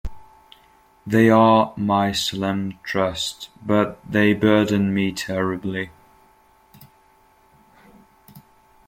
They are my solemn trust, but they burden me terribly.